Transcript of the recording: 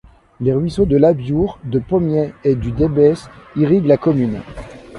Les ruisseaux de Labiour, de Pomiès et du Debès irriguent la commune.